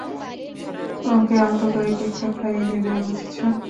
ওকে আলতো করে কেকটা খাইয়ে দেবে, বুঝেছ?